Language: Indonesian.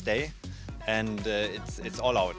dan itu semua keluar